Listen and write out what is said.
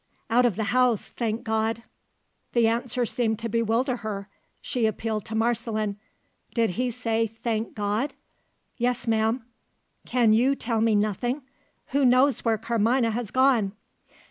"Out of the house thank God!" The answer seemed to bewilder her: she appealed to Marceline. "Did he say, thank God?" "Yes, ma'am." "Can you tell me nothing? Who knows where Carmina has gone?"